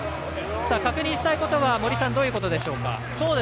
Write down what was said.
確認したいことはどういうことでしょうか。